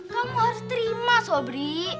kamu harus terima sobri